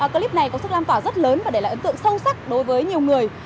clip này có sức lan tỏa rất lớn và để lại ấn tượng sâu sắc đối với nhiều người